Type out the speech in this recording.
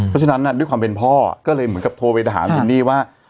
เพราะฉะนั้นด้วยความเป็นพ่อก็เลยเหมือนกับโทรไปถามจินนี่ว่า